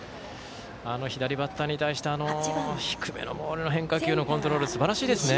左バッターに対して低めのボールの変化球のコントロールすばらしいですね。